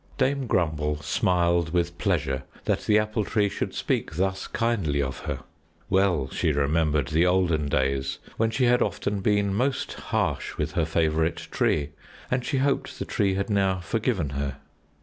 Dame Grumble smiled with pleasure that the Apple Tree should speak thus kindly of her. Well she remembered the olden days when she had often been most harsh with her favorite tree, and she hoped the tree had now forgiven her.